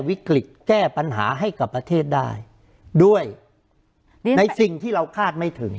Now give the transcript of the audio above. วิกฤตแก้ปัญหาให้กับประเทศได้ด้วยนี่ในสิ่งที่เราคาดไม่ถึง